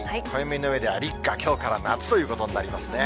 暦の上では立夏、きょうから夏ということになりますね。